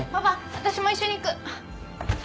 私も一緒に行く。